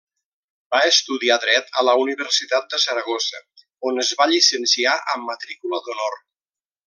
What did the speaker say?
Va estudiar Dret a la Universitat de Saragossa on es va llicenciar amb matrícula d'honor.